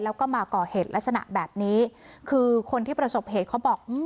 แล้วก็มาก่อเหตุลักษณะแบบนี้คือคนที่ประสบเหตุเขาบอก